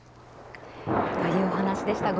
というお話でした。